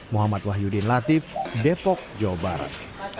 muhammad wahyudin latif depok jawa barat